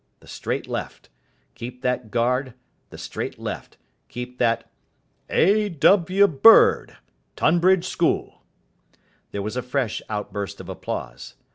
The straight left. Keep that guard the straight left. Keep that "A. W. Bird, Tonbridge School." There was a fresh outburst of applause.